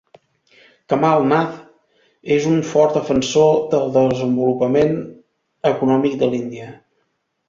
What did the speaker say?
Kamal Nath és un fort defensor del desenvolupament econòmic de l'Índia.